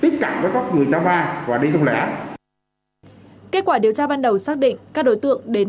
tiếp cận với các người trao va và đi công lễ kết quả điều tra ban đầu xác định các đối tượng đến